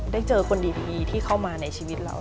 เจอคนดีที่เข้ามาในชีวิตเรา